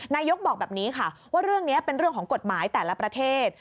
นายกบอกแบบนี้ค่ะว่าเรื่องนี้เป็นเรื่องของกฎหมายแต่ละประเทศ